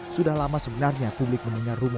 sudah lama sebenarnya publik menengar rumah